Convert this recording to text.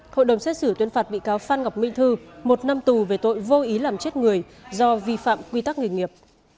hội đồng xét xử tuyên phạt bị cáo phan ngọc minh thư một năm tù về tội vô ý làm chết người do vi phạm quy tắc nghề nghiệp